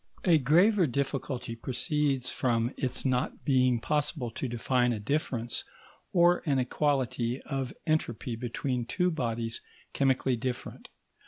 A graver difficulty proceeds from its not being possible to define a difference, or an equality, of entropy between two bodies chemically different.